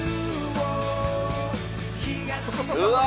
うわ！